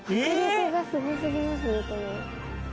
迫力がすごすぎますね